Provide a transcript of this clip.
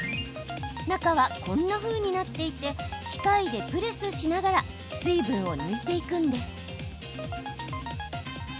中は、こんなふうになっていて機械でプレスしながら水分を抜いていくんです。